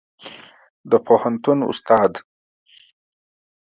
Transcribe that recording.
د پوهنتون استاد